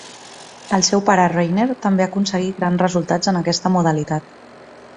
El seu pare Rainer també aconseguí grans resultats en aquesta modalitat.